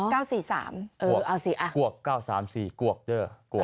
กวอก๙๓๔กวอกเด้อ